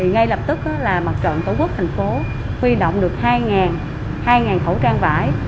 ngay lập tức là mặt trận tổ quốc thành phố huy động được hai khẩu trang vải